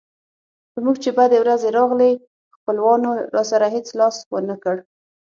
په موږ چې بدې ورځې راغلې خپلوانو راسره هېڅ لاس ونه کړ.